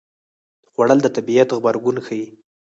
خوړل د طبیعت غبرګون ښيي